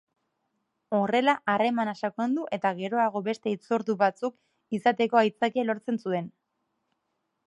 Horrela harremana sakondu eta geroago beste hitzordu batzuk izateko aitzakia lortzen zuen.